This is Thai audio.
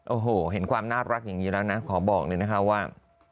โอ้โหเห็นความน่ารักอย่างนี้แล้วนะขอบอกเลยนะคะว่า